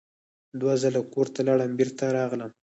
دوه ځله کور ته لاړم بېرته راغلم.